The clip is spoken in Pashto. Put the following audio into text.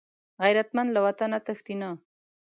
غیرتمند له وطنه تښتي نه